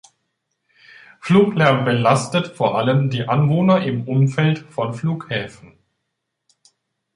Fluglärm belastet vor allem die Anwohner im Umfeld von Flughäfen.